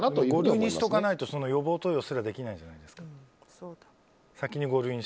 先に五類にしておかないと予防投与すらできないんじゃないですか？